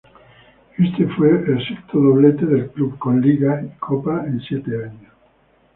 Este fue el sexto "doblete" del club con liga y copa en siete años.